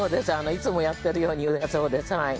いつもやってるようにそうですはい。